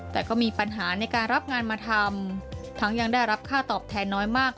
แต่ก็มีปัญหาในการรับงานมาทำทั้งยังได้รับค่าตอบแทนน้อยมาก